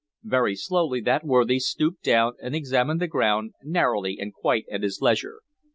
Very slowly that worthy stooped down and examined the ground, narrowly and quite at his leisure.